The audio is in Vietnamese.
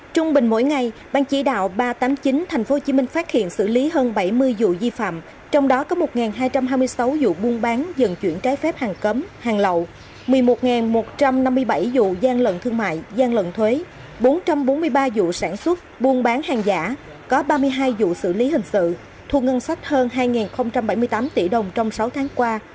trung bình mỗi ngày bang chỉ đạo ba trăm tám mươi chín tp hcm phát hiện xử lý hơn bảy mươi vụ vi phạm trong đó có một hai trăm hai mươi sáu vụ buôn bán vận chuyển trái phép hàng cấm hàng lậu một mươi một một trăm năm mươi bảy vụ gian lận thương mại gian lận thuế bốn trăm bốn mươi ba vụ sản xuất buôn bán hàng giả có ba mươi hai vụ xử lý hình sự thu ngân sách hơn hai bảy mươi tám tỷ đồng trong sáu tháng qua